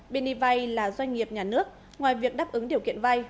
bên đi vay là doanh nghiệp nhà nước ngoài việc đáp ứng điều kiện vay